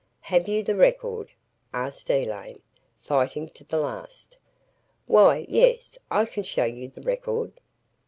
"Have you the record?" asked Elaine, fighting to the last. "Why, yes. I can show you the record."